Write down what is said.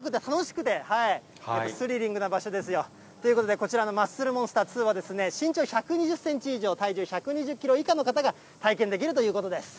でも怖くて楽しくて、やっぱりスリリングな場所ですよ。ということでこちらのマッスルモンスター２は身長１２０センチ以上、体重１２０キロ以下の方が体験できるということです。